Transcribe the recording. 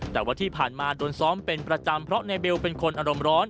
แต่ว่าที่ผ่านมาโดนซ้อมเป็นประจำเพราะนายเบลเป็นคนอารมณ์ร้อน